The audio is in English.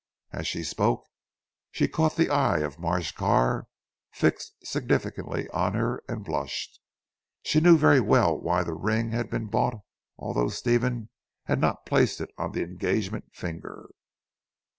As she spoke she caught the eye of Marsh Carr fixed significantly on her, and blushed. She knew very well why the ring had been bought although Stephen had not placed it on the engagement finger.